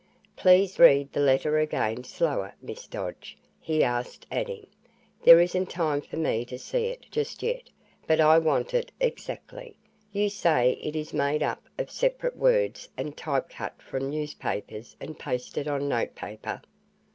"Please read the letter again, slower, Miss Dodge," he asked, adding, "There isn't time for me to see it just yet. But I want it exactly. You say it is made up of separate words and type cut from newspapers and pasted on note paper?"